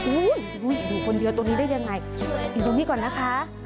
อยู่คนเดียวตรงนี้ได้ยังไงอยู่ตรงนี้ก่อนนะคะ